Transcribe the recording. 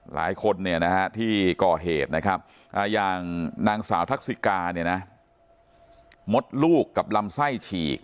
หลายคนที่ก่อเหตุนะครับอย่างนางสาวทักษิกาเนี่ยนะมดลูกกับลำไส้ฉีก